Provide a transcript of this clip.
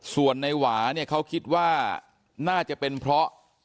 ส่วนในหวาเนี่ยเขาคิดว่าน่าจะเป็นเพราะ